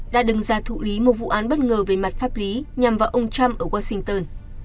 đã đứng ra thụ lý một vụ án bất ngờ về mặt pháp lý nhằm vào ông trump ở washington